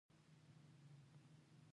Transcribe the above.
زه د امتحان له پاره درس وایم.